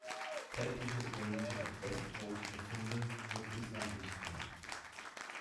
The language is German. Keltische, römische und westgotische Funde wurden bislang nicht gemacht.